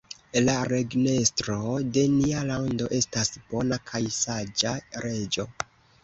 La regnestro de nia lando estas bona kaj saĝa reĝo.